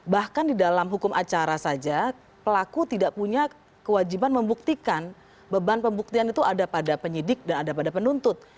bahkan di dalam hukum acara saja pelaku tidak punya kewajiban membuktikan beban pembuktian itu ada pada penyidik dan ada pada penuntut